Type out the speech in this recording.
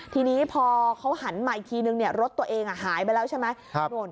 ทีนี้พอเขาหันมาอีกทีนึงรถตัวเองหายไปแล้วใช่ไหม